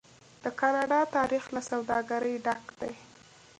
د کاناډا تاریخ له سوداګرۍ ډک دی.